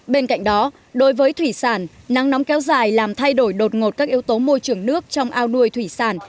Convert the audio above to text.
bên cạnh đó đối với thủy sản nắng nóng kéo dài làm thay đổi đột ngột các yếu tố môi trường nước trong ao nuôi thủy sản